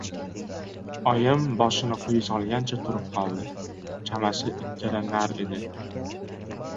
Oyim boshini quyi solgancha turib qoldi. Chamasi ikkila- nar edi.